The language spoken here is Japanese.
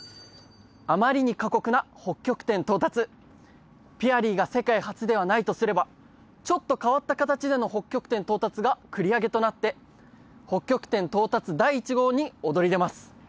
あまりに過酷な北極点到達ピアリーが世界初ではないとすればちょっと変わった形での北極点到達が繰り上げとなって北極点到達第１号に躍り出ます